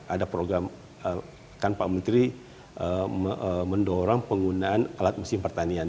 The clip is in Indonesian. ada program kan pak menteri mendorong penggunaan alat mesin pertanian